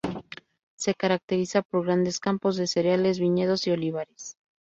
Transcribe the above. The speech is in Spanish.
Se caracteriza por grandes campos de cereales, viñedos y olivares.